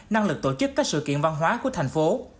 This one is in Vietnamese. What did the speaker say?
năng lực tổ chức các sự kiện văn hóa của thành phố